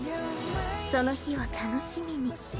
その日を楽しみに。